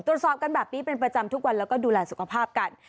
ตรวจสอบกันแบบนี้เป็นประจำทุกวันแล้วก็ดูแลสุขภาพกัน